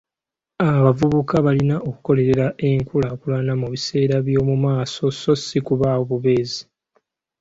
Abavubuka balina okukolerera enkulaakulana mubiseera by'omu maaso so ssi kubaawo bubeezi.